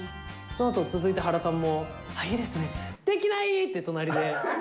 そのあと続いて原さんも、あっ、いいですね、できないーって、隣で。